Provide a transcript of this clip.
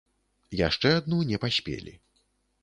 Яшчэ адну не паспелі.